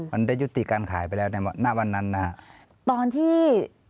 มันได้ยุติการขายไปแล้วในหน้าวันนั้นนะฮะตอนที่